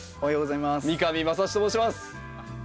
三上真史と申します。